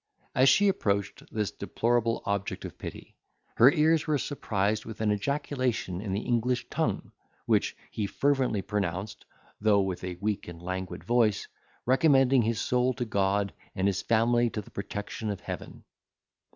As she approached this deplorable object of pity, her ears were surprised with an ejaculation in the English tongue, which he fervently pronounced, though with a weak and languid voice, recommending his soul to God, and his family to the protection of Heaven.